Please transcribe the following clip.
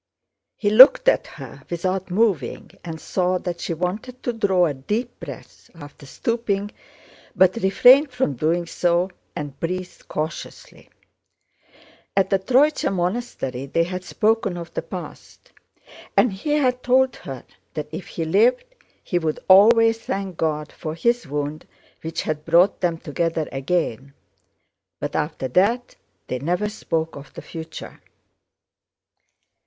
He looked at her without moving and saw that she wanted to draw a deep breath after stooping, but refrained from doing so and breathed cautiously. At the Tróitsa monastery they had spoken of the past, and he had told her that if he lived he would always thank God for his wound which had brought them together again, but after that they never spoke of the future.